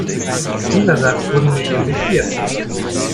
Dieser Satz wurde mir eben diktiert.